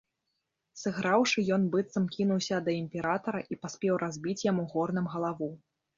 Сыграўшы, ён, быццам, кінуўся да імператара і паспеў разбіць яму горнам галаву.